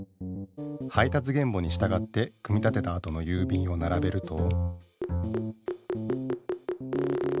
配達原簿に従って組み立てたあとの郵便を並べると。